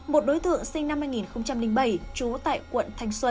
một đối tượng sinh năm hai nghìn bảy trú tại quận thanh xuân